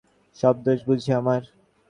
সব দোষ বুঝি আমার!